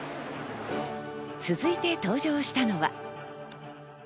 続いて登場したのは。